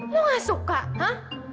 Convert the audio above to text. lo gak suka ha